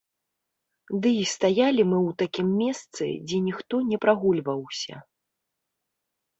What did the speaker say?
Дый стаялі мы ў такім месцы, дзе ніхто не прагульваўся.